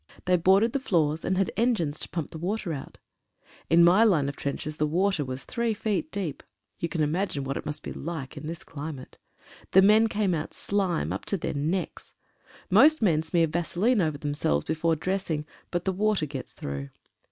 They boarded the floors, and had engines to pump the water out. In my line of trenches the water was three feet deep. You can imagine what it must be like in this climate. The men came out slime up to their necks. Most men smear vaseline over themselves before dressing, but the water gets through.